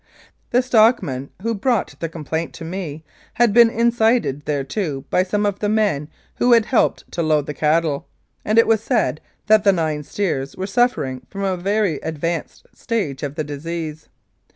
The stockman who brought the complaint to me had been incited thereto by some of the men who had helped to load the cattle, and it was said that the nine steers were suffering from a very advanced stage of the disease.